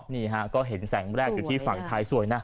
นี่ฮะก็เห็นแสงแรกอยู่ที่ฝั่งไทยสวยนะ